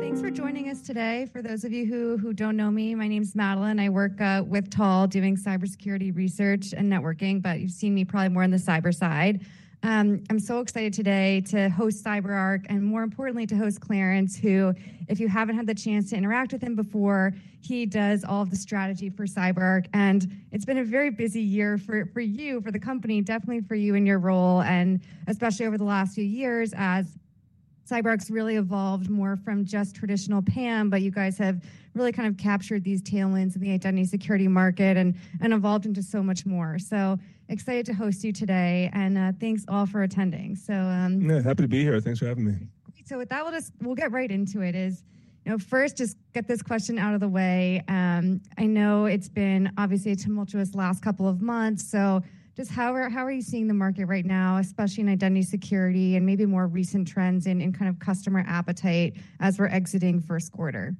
Thanks for joining us today. For those of you who don't know me, my name is Madeline. I work with TAL doing cybersecurity research and networking, but you've seen me probably more on the cyber side. I'm so excited today to host CyberArk and, more importantly, to host Clarence, who, if you haven't had the chance to interact with him before, he does all of the strategy for CyberArk. It's been a very busy year for you, for the company, definitely for you in your role, and especially over the last few years as CyberArk's really evolved more from just traditional PAM. You guys have really kind of captured these tailwinds in the identity security market and evolved into so much more. Excited to host you today, and thanks all for attending. Yeah, happy to be here. Thanks for having me. With that, we'll just get right into it. First, just get this question out of the way. I know it's been obviously a tumultuous last couple of months. Just how are you seeing the market right now, especially in identity security and maybe more recent trends in kind of customer appetite as we're exiting first quarter?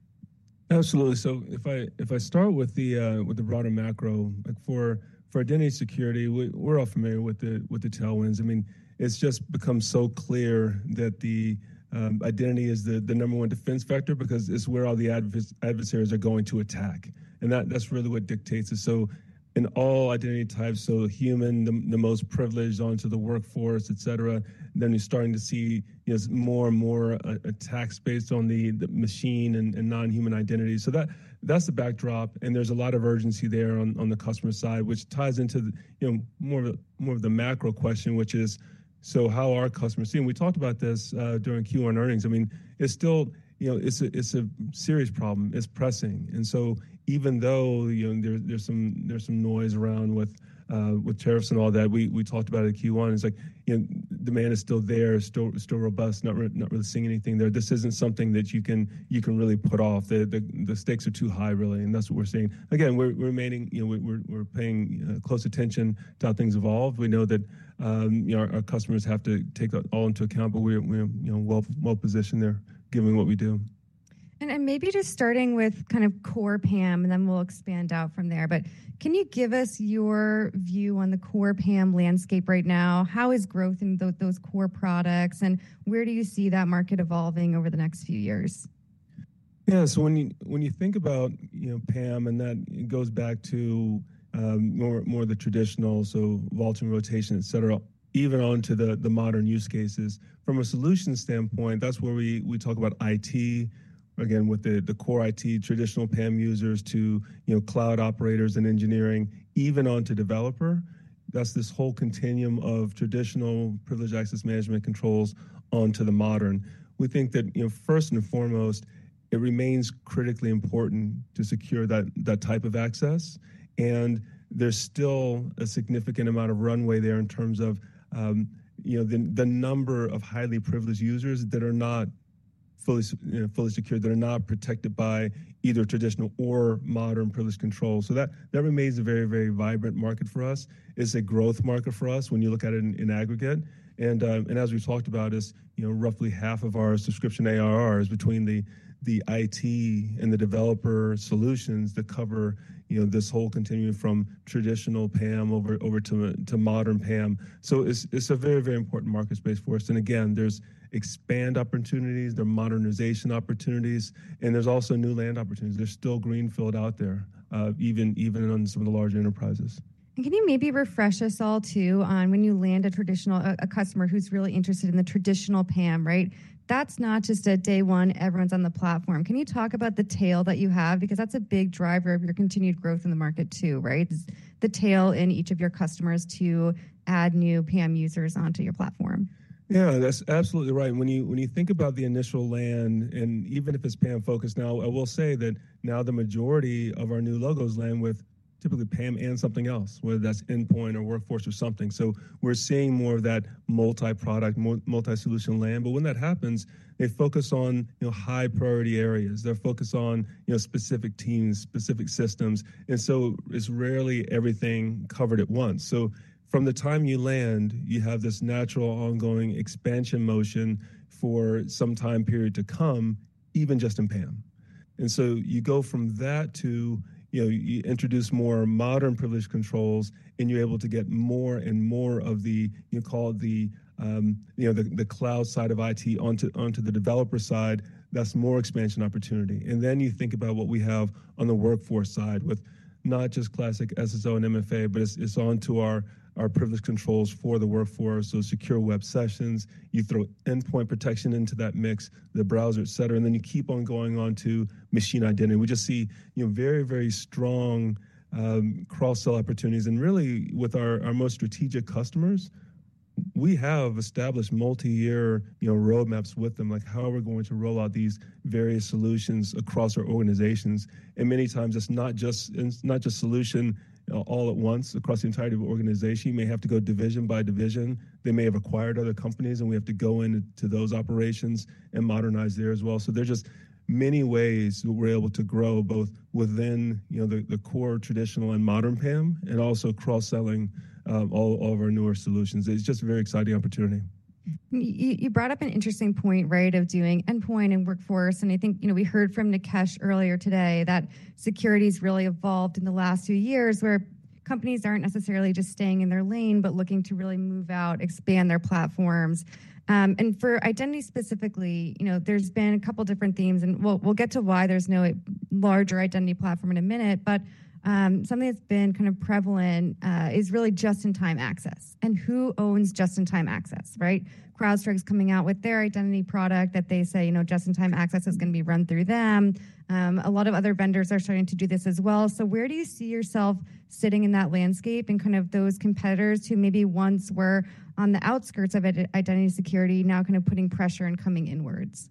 Absolutely. If I start with the broader macro, for identity security, we're all familiar with the tailwinds. I mean, it's just become so clear that identity is the number one defense factor because it's where all the adversaries are going to attack. That's really what dictates it. In all identity types, so human, the most privileged onto the workforce, et cetera. You're starting to see more and more attacks based on the machine and non-human identity. That's the backdrop. There's a lot of urgency there on the customer side, which ties into more of the macro question, which is, how are customers seeing? We talked about this during Q1 earnings. It's still, it's a serious problem. It's pressing. Even though there's some noise around with tariffs and all that, we talked about it at Q1. It's like demand is still there, still robust, not really seeing anything there. This isn't something that you can really put off. The stakes are too high, really. That's what we're seeing. Again, we're paying close attention to how things evolve. We know that our customers have to take that all into account, but we're well positioned there given what we do. Maybe just starting with kind of core PAM, and then we'll expand out from there. Can you give us your view on the core PAM landscape right now? How is growth in those core products, and where do you see that market evolving over the next few years? Yeah, so when you think about PAM, and that goes back to more of the traditional, so vaulting, rotation, et cetera, even onto the modern use cases. From a solution standpoint, that's where we talk about IT, again, with the core IT, traditional PAM users to cloud operators and engineering, even onto developer. That's this whole continuum of traditional privileged access management controls onto the modern. We think that first and foremost, it remains critically important to secure that type of access. There's still a significant amount of runway there in terms of the number of highly privileged users that are not fully secured, that are not protected by either traditional or modern privileged controls. That remains a very, very vibrant market for us. It's a growth market for us when you look at it in aggregate. As we have talked about, it is roughly half of our subscription ARRs between the IT and the developer solutions that cover this whole continuum from traditional PAM over to modern PAM. It is a very, very important market space for us. Again, there are expand opportunities, there are modernization opportunities, and there are also new land opportunities. There is still greenfield out there, even on some of the larger enterprises. Can you maybe refresh us all too on when you land a traditional customer who's really interested in the traditional PAM, right? That's not just a day one, everyone's on the platform. Can you talk about the tail that you have? Because that's a big driver of your continued growth in the market too, right? The tail in each of your customers to add new PAM users onto your platform. Yeah, that's absolutely right. When you think about the initial land, and even if it's PAM focused now, I will say that now the majority of our new logos land with typically PAM and something else, whether that's endpoint or workforce or something. We're seeing more of that multi-product, multi-solution land. When that happens, they focus on high priority areas. They're focused on specific teams, specific systems. It's rarely everything covered at once. From the time you land, you have this natural ongoing expansion motion for some time period to come, even just in PAM. You go from that to you introduce more modern privileged controls, and you're able to get more and more of the, you call it the cloud side of IT onto the developer side. That's more expansion opportunity. You think about what we have on the workforce side with not just classic SSO and MFA, but it is onto our privileged controls for the workforce. Secure web sessions, you throw endpoint protection into that mix, the browser, et cetera. You keep on going on to machine identity. We just see very, very strong cross-sell opportunities. Really, with our most strategic customers, we have established multi-year roadmaps with them, like how are we going to roll out these various solutions across our organizations. Many times, it is not just solution all at once across the entirety of the organization. You may have to go division by division. They may have acquired other companies, and we have to go into those operations and modernize there as well. There's just many ways we're able to grow both within the core traditional and modern PAM and also cross-selling all of our newer solutions. It's just a very exciting opportunity. You brought up an interesting point, right, of doing endpoint and workforce. I think we heard from Nikesh earlier today that security has really evolved in the last few years where companies aren't necessarily just staying in their lane, but looking to really move out, expand their platforms. For identity specifically, there's been a couple of different themes, and we'll get to why there's no larger identity platform in a minute. Something that's been kind of prevalent is really just-in-time access. Who owns just-in-time access, right? CrowdStrike's coming out with their identity product that they say just-in-time access is going to be run through them. A lot of other vendors are starting to do this as well. Where do you see yourself sitting in that landscape and kind of those competitors who maybe once were on the outskirts of identity security now kind of putting pressure and coming inwards?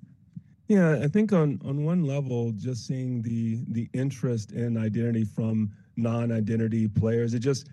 Yeah, I think on one level, just seeing the interest in identity from non-identity players, it just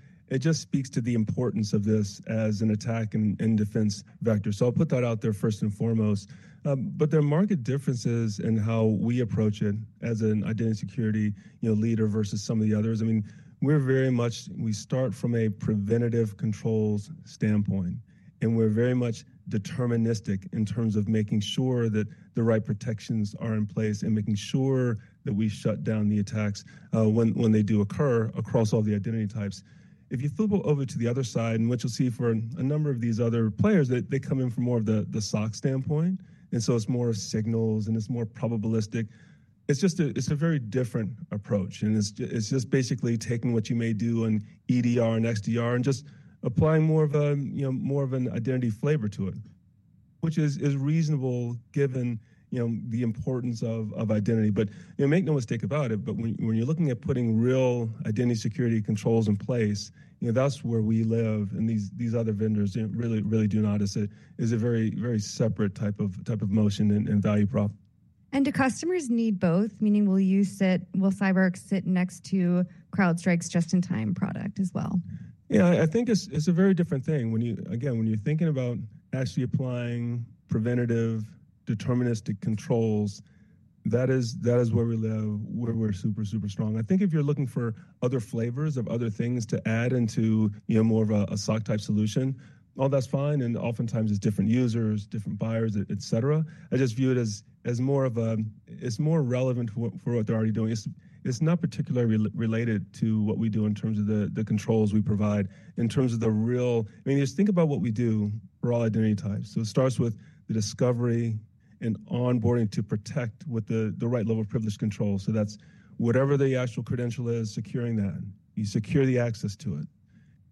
speaks to the importance of this as an attack and defense vector. I'll put that out there first and foremost. There are market differences in how we approach it as an identity security leader versus some of the others. I mean, we're very much, we start from a preventative controls standpoint, and we're very much deterministic in terms of making sure that the right protections are in place and making sure that we shut down the attacks when they do occur across all the identity types. If you flip over to the other side, what you'll see for a number of these other players, they come in from more of the SOC standpoint. It's more signals and it's more probabilistic. It's just a very different approach. It is just basically taking what you may do in EDR and XDR and just applying more of an identity flavor to it, which is reasonable given the importance of identity. Make no mistake about it, when you are looking at putting real identity security controls in place, that is where we live and these other vendors really do not. It is a very separate type of motion and value prop. Do customers need both? Meaning, will CyberArk sit next to CrowdStrike's just-in-time product as well? Yeah, I think it's a very different thing. Again, when you're thinking about actually applying preventative, deterministic controls, that is where we live, where we're super, super strong. I think if you're looking for other flavors of other things to add into more of a SOC type solution, all that's fine. Oftentimes, it's different users, different buyers, et cetera. I just view it as more of a, it's more relevant for what they're already doing. It's not particularly related to what we do in terms of the controls we provide in terms of the real, I mean, just think about what we do for all identity types. It starts with the discovery and onboarding to protect with the right level of privileged control. That's whatever the actual credential is, securing that. You secure the access to it.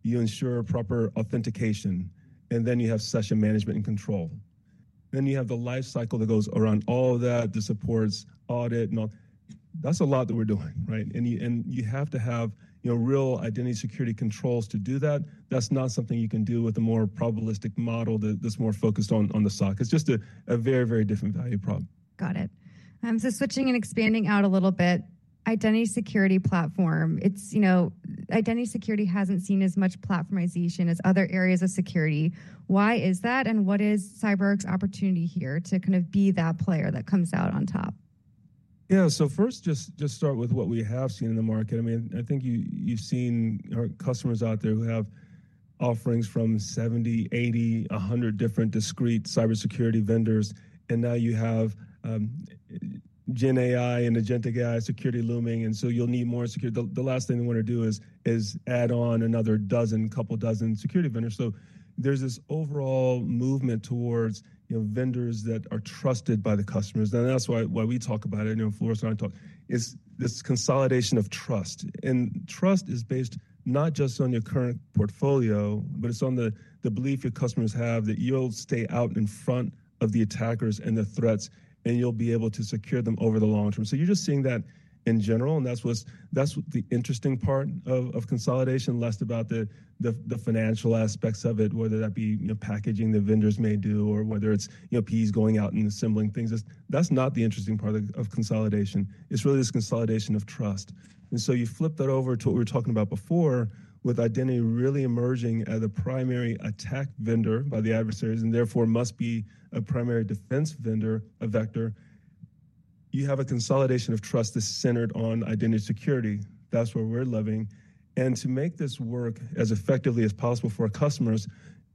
You ensure proper authentication, and then you have session management and control. Then you have the lifecycle that goes around all of that, the supports, audit, and all. That is a lot that we are doing, right? You have to have real identity security controls to do that. That is not something you can do with a more probabilistic model that is more focused on the SOC. It is just a very, very different value problem. Got it. Switching and expanding out a little bit, identity security platform, identity security hasn't seen as much platformization as other areas of security. Why is that? What is CyberArk's opportunity here to kind of be that player that comes out on top? Yeah, so first, just start with what we have seen in the market. I mean, I think you've seen our customers out there who have offerings from 70, 80, 100 different discrete cybersecurity vendors. Now you have GenAI and Agentic AI security looming. You need more security. The last thing they want to do is add on another dozen, couple dozen security vendors. There is this overall movement towards vendors that are trusted by the customers. That is why we talk about it. Floris and I talk. It is this consolidation of trust. Trust is based not just on your current portfolio, but it is on the belief your customers have that you will stay out in front of the attackers and the threats, and you will be able to secure them over the long term. You are just seeing that in general. That's the interesting part of consolidation, less about the financial aspects of it, whether that be packaging the vendors may do or whether it's PEs going out and assembling things. That's not the interesting part of consolidation. It's really this consolidation of trust. You flip that over to what we were talking about before with identity really emerging as a primary attack vector by the adversaries and therefore must be a primary defense vector. You have a consolidation of trust that's centered on identity security. That's where we're living. To make this work as effectively as possible for our customers,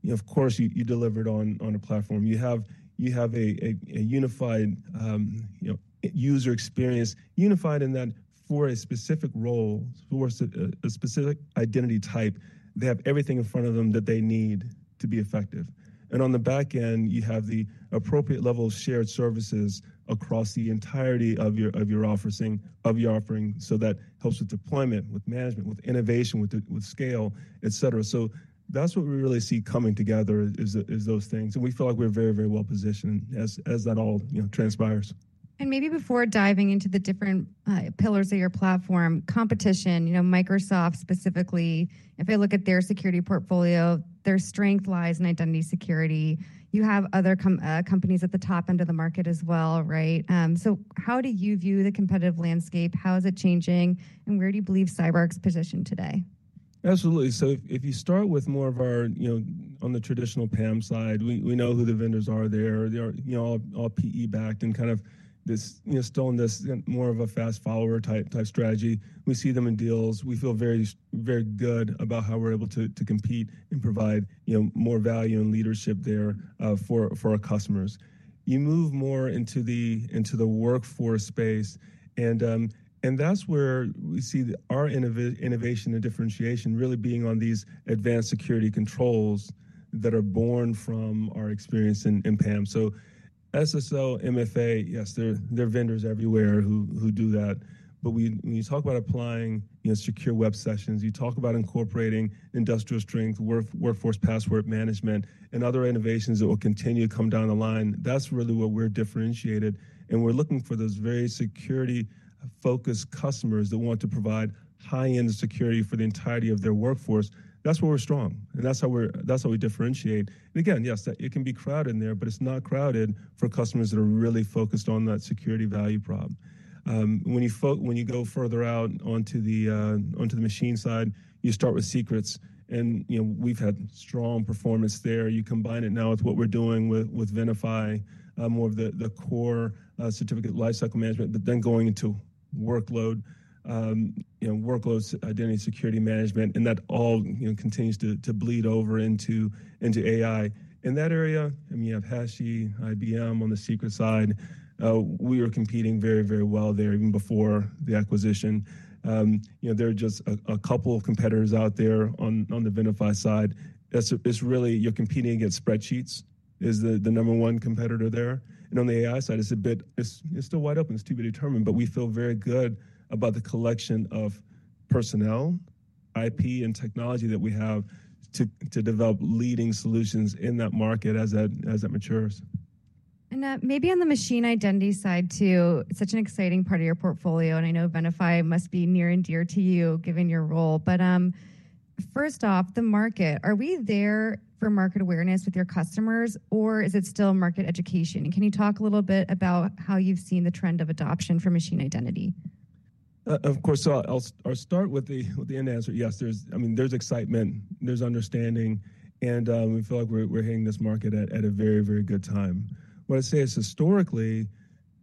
of course, you deliver it on a platform. You have a unified user experience, unified in that for a specific role, for a specific identity type, they have everything in front of them that they need to be effective. On the back end, you have the appropriate level of shared services across the entirety of your offering so that helps with deployment, with management, with innovation, with scale, et cetera. That is what we really see coming together is those things. We feel like we are very, very well positioned as that all transpires. Maybe before diving into the different pillars of your platform, competition, Microsoft specifically, if they look at their security portfolio, their strength lies in identity security. You have other companies at the top end of the market as well, right? How do you view the competitive landscape? How is it changing? Where do you believe CyberArk's position today? Absolutely. If you start with more of our on the traditional PAM side, we know who the vendors are there. They're all PE backed and kind of still in this more of a fast follower type strategy. We see them in deals. We feel very, very good about how we're able to compete and provide more value and leadership there for our customers. You move more into the workforce space, and that's where we see our innovation and differentiation really being on these advanced security controls that are born from our experience in PAM. SSO, MFA, yes, there are vendors everywhere who do that. When you talk about applying secure web sessions, you talk about incorporating industrial strength, workforce password management, and other innovations that will continue to come down the line. That's really what we're differentiated. We are looking for those very security-focused customers that want to provide high-end security for the entirety of their workforce. That is where we are strong. That is how we differentiate. Yes, it can be crowded in there, but it is not crowded for customers that are really focused on that security value problem. When you go further out onto the machine side, you start with secrets. We have had strong performance there. You combine it now with what we are doing with Venafi, more of the core certificate lifecycle management, but then going into workload, workloads, identity security management, and that all continues to bleed over into AI. In that area, I mean, you have HashiCorp, IBM on the secret side. We were competing very, very well there even before the acquisition. There are just a couple of competitors out there on the Venafi side. It's really you're competing against spreadsheets is the number one competitor there. On the AI side, it's a bit, it's still wide open, it's to be determined, but we feel very good about the collection of personnel, IP, and technology that we have to develop leading solutions in that market as that matures. Maybe on the machine identity side too, such an exciting part of your portfolio, and I know Venafi must be near and dear to you given your role. First off, the market, are we there for market awareness with your customers, or is it still market education? Can you talk a little bit about how you've seen the trend of adoption for machine identity? Of course, I'll start with the end answer. Yes, I mean, there's excitement, there's understanding, and we feel like we're hitting this market at a very, very good time. I want to say historically,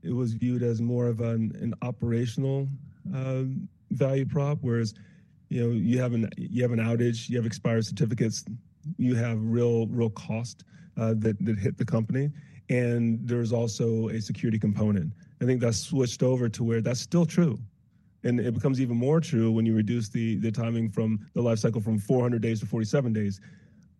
it was viewed as more of an operational value prop, whereas you have an outage, you have expired certificates, you have real cost that hit the company, and there's also a security component. I think that's switched over to where that's still true. It becomes even more true when you reduce the timing from the lifecycle from 400 days to 47 days.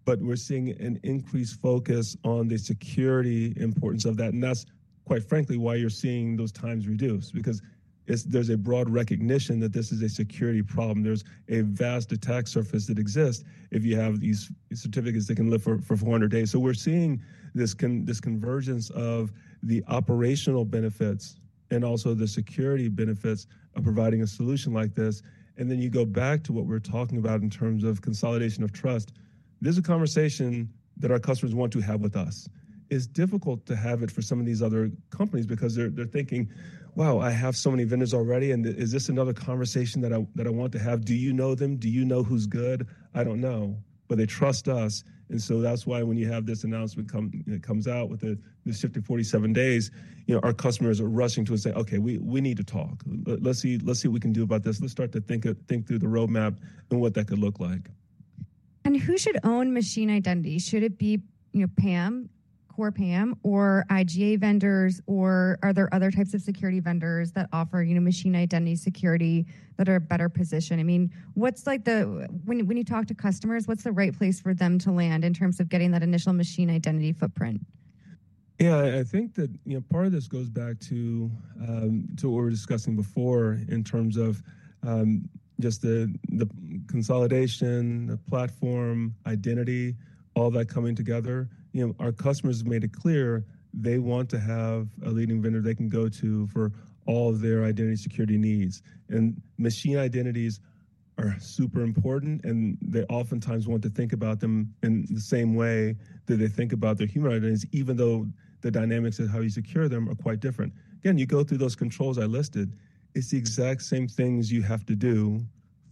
We're seeing an increased focus on the security importance of that. That's quite frankly why you're seeing those times reduced, because there's a broad recognition that this is a security problem. There's a vast attack surface that exists if you have these certificates that can live for 400 days. We're seeing this convergence of the operational benefits and also the security benefits of providing a solution like this. You go back to what we're talking about in terms of consolidation of trust. This is a conversation that our customers want to have with us. It's difficult to have it for some of these other companies because they're thinking, "Wow, I have so many vendors already, and is this another conversation that I want to have? Do you know them? Do you know who's good?" I don't know, but they trust us. That's why when you have this announcement comes out with the shift to 47 days, our customers are rushing to us and say, "Okay, we need to talk. Let's see what we can do about this. Let's start to think through the roadmap and what that could look like. Who should own machine identity? Should it be PAM, core PAM, or IGA vendors, or are there other types of security vendors that offer machine identity security that are in a better position? I mean, when you talk to customers, what's the right place for them to land in terms of getting that initial machine identity footprint? Yeah, I think that part of this goes back to what we were discussing before in terms of just the consolidation, the platform, identity, all that coming together. Our customers have made it clear they want to have a leading vendor they can go to for all of their identity security needs. Machine identities are super important, and they oftentimes want to think about them in the same way that they think about their human identities, even though the dynamics of how you secure them are quite different. Again, you go through those controls I listed. It's the exact same things you have to do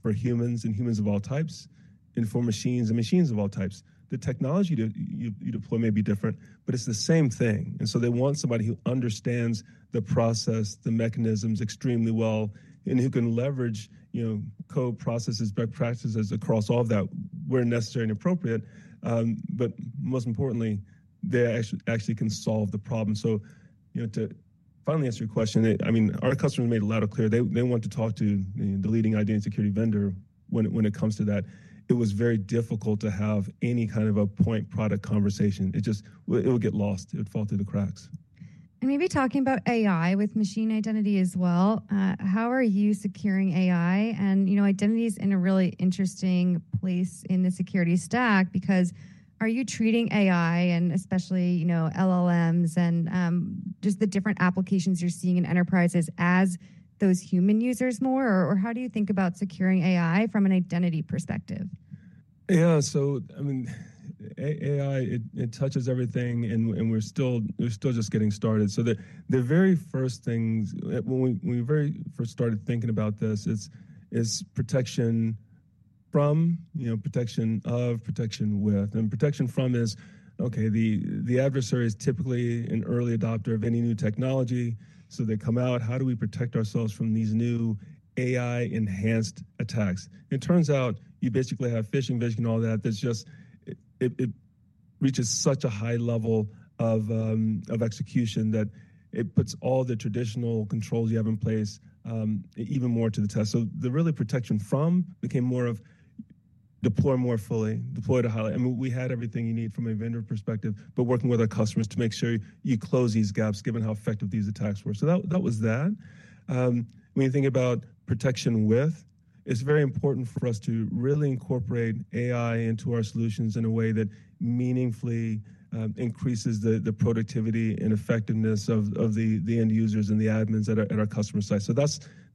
for humans and humans of all types and for machines and machines of all types. The technology you deploy may be different, but it's the same thing. They want somebody who understands the process, the mechanisms extremely well, and who can leverage code processes, best practices across all of that where necessary and appropriate. Most importantly, they actually can solve the problem. To finally answer your question, I mean, our customers made it loud and clear. They want to talk to the leading identity security vendor when it comes to that. It was very difficult to have any kind of a point product conversation. It would get lost. It would fall through the cracks. Maybe talking about AI with machine identity as well. How are you securing AI? Identity is in a really interesting place in the security stack because are you treating AI and especially LLMs and just the different applications you're seeing in enterprises as those human users more? Or how do you think about securing AI from an identity perspective? Yeah, so I mean, AI, it touches everything, and we're still just getting started. The very first thing when we very first started thinking about this is protection from, protection of, protection with. Protection from is, okay, the adversary is typically an early adopter of any new technology. They come out, how do we protect ourselves from these new AI-enhanced attacks? It turns out you basically have phishing, phishing, and all that. It reaches such a high level of execution that it puts all the traditional controls you have in place even more to the test. The really protection from became more of deploy more fully, deploy to highlight. I mean, we had everything you need from a vendor perspective, but working with our customers to make sure you close these gaps given how effective these attacks were. That was that. When you think about protection with, it's very important for us to really incorporate AI into our solutions in a way that meaningfully increases the productivity and effectiveness of the end users and the admins at our customer side.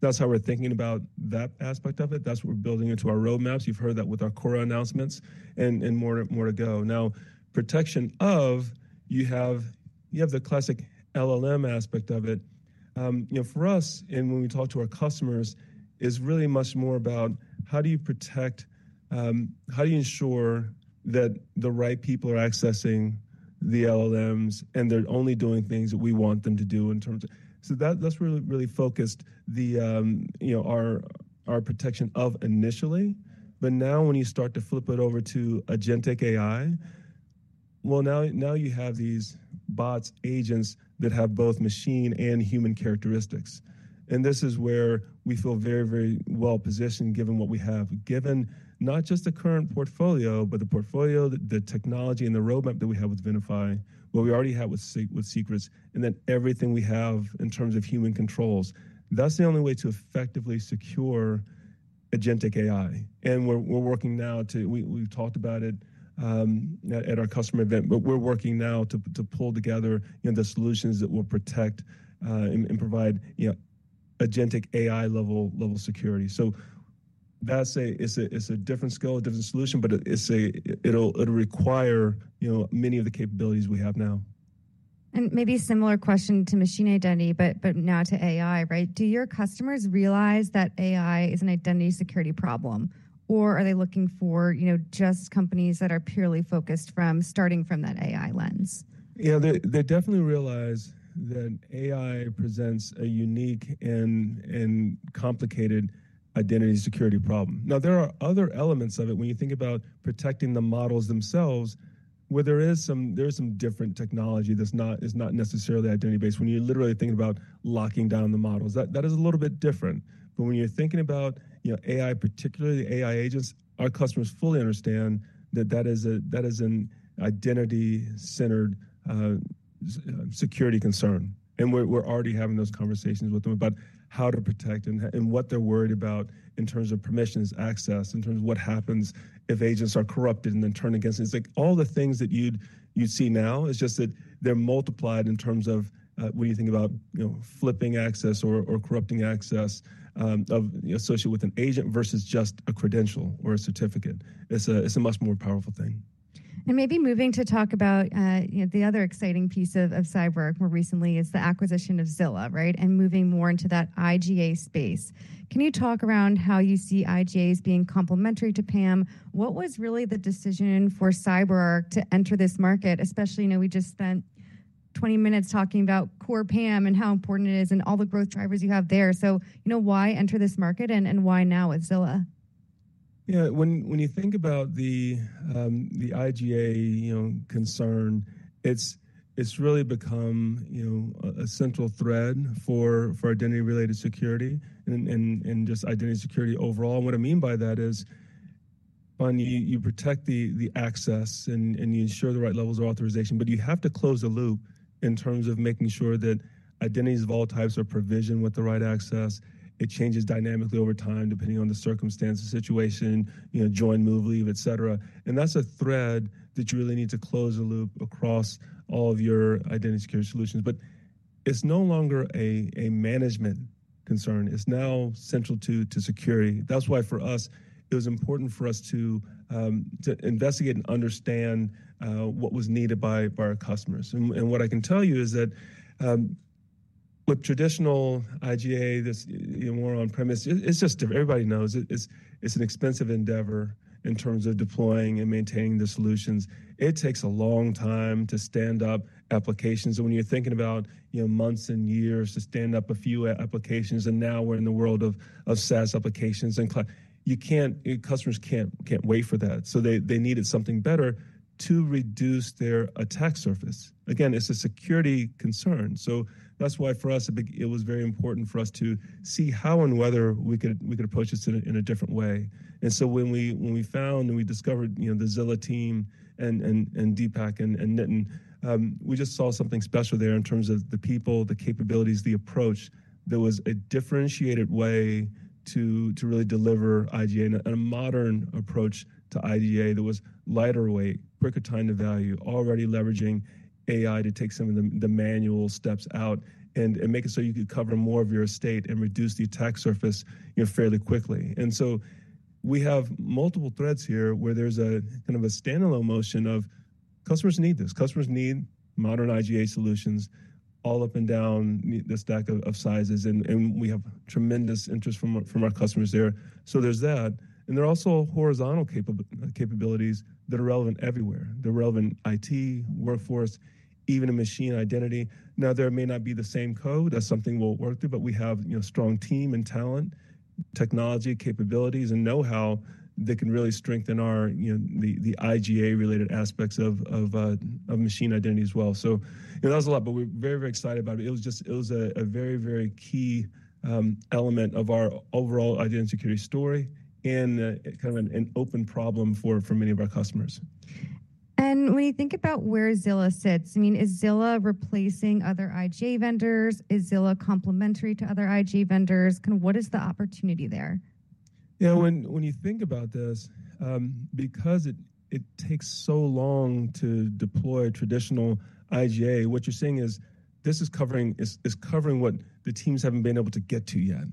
That's how we're thinking about that aspect of it. That's what we're building into our roadmaps. You've heard that with our core announcements and more to go. Now, protection of, you have the classic LLM aspect of it. For us, and when we talk to our customers, it's really much more about how do you protect, how do you ensure that the right people are accessing the LLMs and they're only doing things that we want them to do in terms of. That's really focused our protection of initially. Now when you start to flip it over to Agentic AI, you have these bots, agents that have both machine and human characteristics. This is where we feel very, very well positioned given what we have, given not just the current portfolio, but the portfolio, the technology, and the roadmap that we have with Venafi, what we already have with secrets, and then everything we have in terms of human controls. That is the only way to effectively secure Agentic AI. We are working now to, we have talked about it at our customer event, but we are working now to pull together the solutions that will protect and provide Agentic AI level security. That is a different skill, a different solution, but it will require many of the capabilities we have now. Maybe a similar question to machine identity, but now to AI, right? Do your customers realize that AI is an identity security problem, or are they looking for just companies that are purely focused from starting from that AI lens? Yeah, they definitely realize that AI presents a unique and complicated identity security problem. Now, there are other elements of it. When you think about protecting the models themselves, where there is some different technology that's not necessarily identity-based, when you're literally thinking about locking down the models, that is a little bit different. When you're thinking about AI, particularly the AI agents, our customers fully understand that that is an identity-centered security concern. We're already having those conversations with them about how to protect and what they're worried about in terms of permissions, access, in terms of what happens if agents are corrupted and then turned against. It's like all the things that you'd see now, it's just that they're multiplied in terms of when you think about flipping access or corrupting access associated with an agent versus just a credential or a certificate. It's a much more powerful thing. Maybe moving to talk about the other exciting piece of CyberArk more recently is the acquisition of Zilla, right, and moving more into that IGA space. Can you talk around how you see IGAs being complementary to PAM? What was really the decision for CyberArk to enter this market, especially we just spent 20 minutes talking about core PAM and how important it is and all the growth drivers you have there? Why enter this market and why now with Zilla? Yeah, when you think about the IGA concern, it's really become a central thread for identity-related security and just identity security overall. What I mean by that is, you protect the access and you ensure the right levels of authorization, but you have to close the loop in terms of making sure that identities of all types are provisioned with the right access. It changes dynamically over time depending on the circumstances, situation, join move leave, etc. That's a thread that you really need to close the loop across all of your identity security solutions. It's no longer a management concern. It's now central to security. That's why for us, it was important for us to investigate and understand what was needed by our customers. What I can tell you is that with traditional IGA, this more on-premise, it's just everybody knows it's an expensive endeavor in terms of deploying and maintaining the solutions. It takes a long time to stand up applications. When you're thinking about months and years to stand up a few applications, and now we're in the world of SaaS applications and cloud, customers can't wait for that. They needed something better to reduce their attack surface. Again, it's a security concern. That is why for us, it was very important for us to see how and whether we could approach this in a different way. When we found and we discovered the Zilla team and Deepak and Nitten, we just saw something special there in terms of the people, the capabilities, the approach. There was a differentiated way to really deliver IGA and a modern approach to IGA that was lighter weight, quicker time to value, already leveraging AI to take some of the manual steps out and make it so you could cover more of your estate and reduce the attack surface fairly quickly. We have multiple threads here where there's a kind of a standalone motion of customers need this. Customers need modern IGA solutions all up and down the stack of sizes. We have tremendous interest from our customers there. There are also horizontal capabilities that are relevant everywhere. They're relevant IT, workforce, even machine identity. Now, there may not be the same code. That's something we'll work through, but we have a strong team and talent, technology, capabilities, and know-how that can really strengthen the IGA-related aspects of machine identity as well. That was a lot, but we're very, very excited about it. It was a very, very key element of our overall identity security story and kind of an open problem for many of our customers. When you think about where Zilla sits, I mean, is Zilla replacing other IGA vendors? Is Zilla complementary to other IGA vendors? What is the opportunity there? Yeah, when you think about this, because it takes so long to deploy a traditional IGA, what you're seeing is this is covering what the teams haven't been able to get to yet.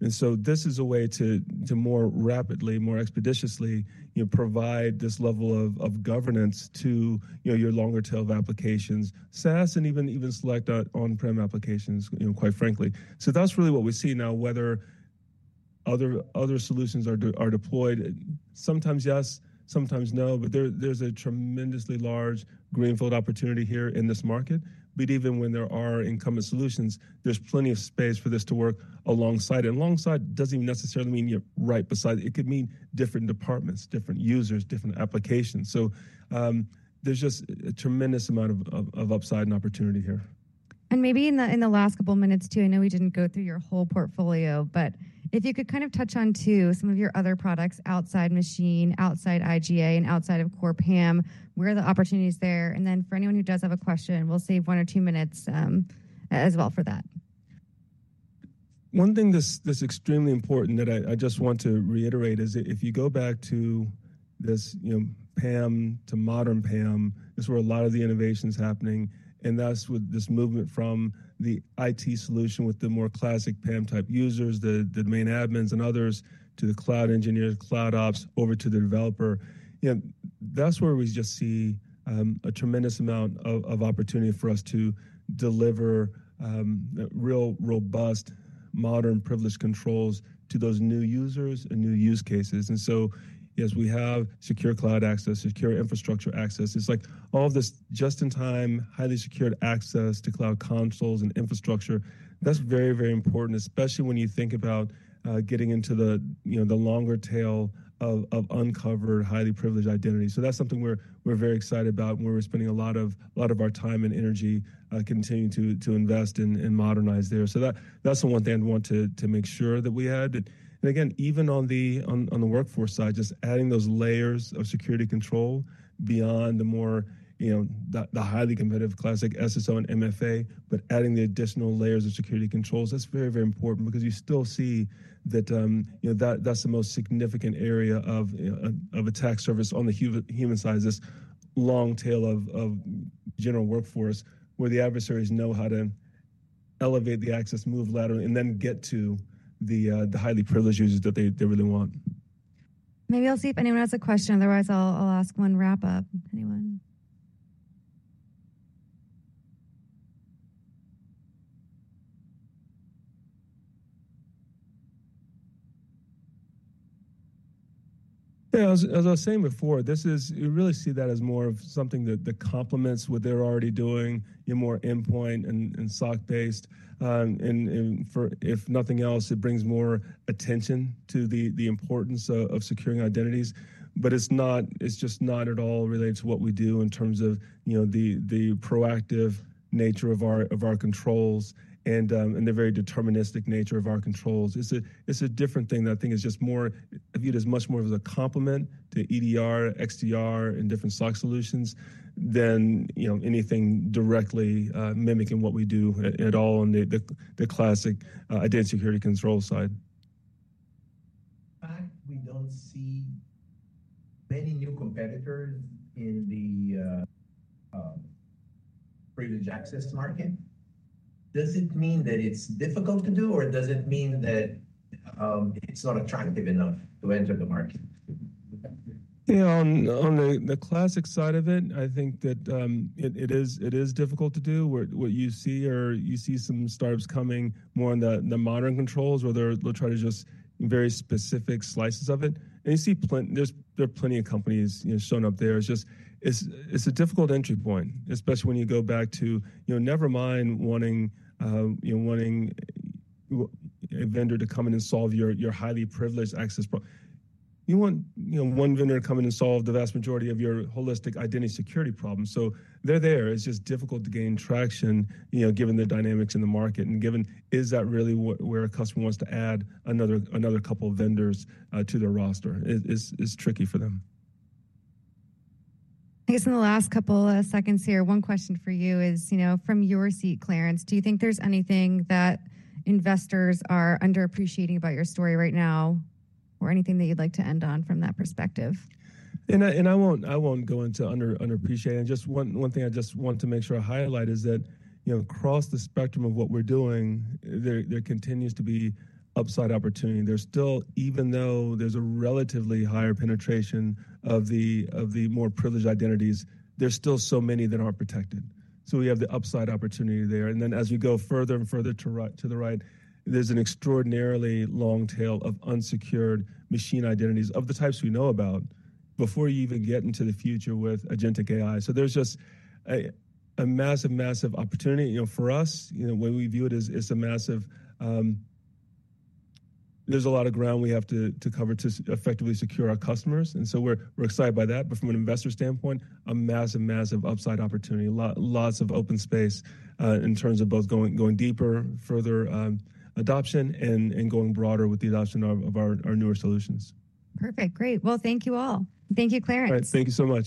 This is a way to more rapidly, more expeditiously provide this level of governance to your longer-tailed applications, SaaS, and even select on-prem applications, quite frankly. That's really what we see now, whether other solutions are deployed. Sometimes yes, sometimes no, but there's a tremendously large greenfield opportunity here in this market. Even when there are incumbent solutions, there's plenty of space for this to work alongside. Alongside doesn't even necessarily mean you're right beside. It could mean different departments, different users, different applications. There's just a tremendous amount of upside and opportunity here. Maybe in the last couple of minutes too, I know we didn't go through your whole portfolio, but if you could kind of touch on to some of your other products outside machine, outside IGA, and outside of core PAM, where are the opportunities there? And then for anyone who does have a question, we'll save one or two minutes as well for that. One thing that's extremely important that I just want to reiterate is that if you go back to this PAM to modern PAM, that's where a lot of the innovation is happening. That's with this movement from the IT solution with the more classic PAM type users, the main admins and others, to the cloud engineers, cloud ops, over to the developer. That's where we just see a tremendous amount of opportunity for us to deliver real robust, modern, privileged controls to those new users and new use cases. As we have secure cloud access, secure infrastructure access, it's like all of this just-in-time, highly secured access to cloud consoles and infrastructure. That's very, very important, especially when you think about getting into the longer tail of uncovered, highly privileged identity. That's something we're very excited about and where we're spending a lot of our time and energy continuing to invest and modernize there. That's the one thing I'd want to make sure that we had. Again, even on the workforce side, just adding those layers of security control beyond the more highly competitive classic SSO and MFA, but adding the additional layers of security controls, that's very, very important because you still see that that's the most significant area of attack surface on the human side is this long tail of general workforce where the adversaries know how to elevate the access, move laterally, and then get to the highly privileged users that they really want. Maybe I'll see if anyone has a question. Otherwise, I'll ask one wrap-up. Anyone? Yeah, as I was saying before, we really see that as more of something that complements what they're already doing, more endpoint and SOC-based. If nothing else, it brings more attention to the importance of securing identities. It's just not at all related to what we do in terms of the proactive nature of our controls and the very deterministic nature of our controls. It's a different thing that I think is just more viewed as much more of a complement to EDR, XDR, and different SOC solutions than anything directly mimicking what we do at all on the classic identity security control side. Fact we don't see many new competitors in the privileged access market. Does it mean that it's difficult to do, or does it mean that it's not attractive enough to enter the market? Yeah, on the classic side of it, I think that it is difficult to do. What you see are you see some startups coming more on the modern controls, where they'll try to just very specific slices of it. You see there's plenty of companies shown up there. It's just a difficult entry point, especially when you go back to never mind wanting a vendor to come in and solve your highly privileged access problem. You want one vendor to come in and solve the vast majority of your holistic identity security problem. They're there. It's just difficult to gain traction given the dynamics in the market and given is that really where a customer wants to add another couple of vendors to their roster is tricky for them. I guess in the last couple of seconds here, one question for you is from your seat, Clarence, do you think there's anything that investors are underappreciating about your story right now or anything that you'd like to end on from that perspective? I will not go into underappreciating. Just one thing I just want to make sure I highlight is that across the spectrum of what we are doing, there continues to be upside opportunity. There is still, even though there is a relatively higher penetration of the more privileged identities, there are still so many that are not protected. We have the upside opportunity there. As we go further and further to the right, there is an extraordinarily long tail of unsecured machine identities of the types we know about before you even get into the future with Agentic AI. There is just a massive, massive opportunity for us. The way we view it is it is a massive, there is a lot of ground we have to cover to effectively secure our customers. We are excited by that. From an investor standpoint, a massive, massive upside opportunity. Lots of open space in terms of both going deeper, further adoption, and going broader with the adoption of our newer solutions. Perfect. Great. Thank you all. Thank you, Clarence. Thank you so much.